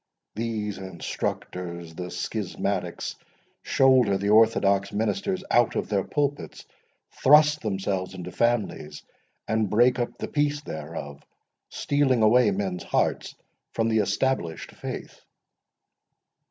These instructors, the schismatics, shoulder the orthodox ministers out of their pulpits, thrust themselves into families, and break up the peace thereof, stealing away men's hearts from the established faith."